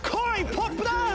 ポップダンス！